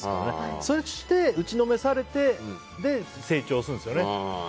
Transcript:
そして、打ちのめされて成長するんですよね。